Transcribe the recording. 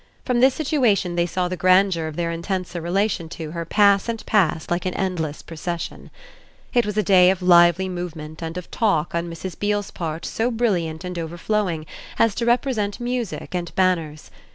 From this situation they saw the grandeur of their intenser relation to her pass and pass like an endless procession. It was a day of lively movement and of talk on Mrs. Beale's part so brilliant and overflowing as to represent music and banners.